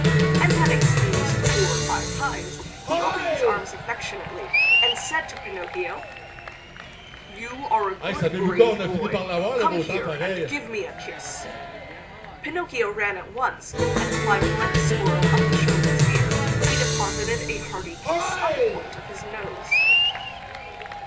And having sneezed four or five times, he opened his arms affectionately, and said to Pinocchio: "You are a good brave boy! Come here and give me a kiss." Pinocchio ran at once, and climbing like a squirrel up the showman's beard he deposited a hearty kiss on the point of his nose.